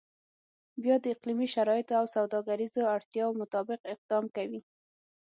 بیا د اقلیمي شرایطو او سوداګریزو اړتیاو مطابق اقدام کوي.